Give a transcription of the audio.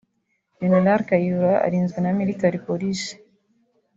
Gen Kayihura arinzwe na militari polisi